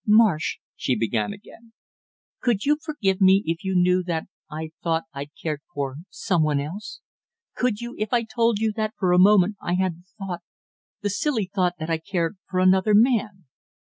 "Marsh," she began again. "Could you forgive me if you knew that I'd thought I cared for some one else? Could you, if I told you that for a moment I had the thought the silly thought, that I cared for another man?"